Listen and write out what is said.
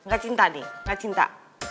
gak cinta nih gak cinta